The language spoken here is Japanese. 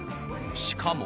しかも。